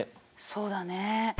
そうだね。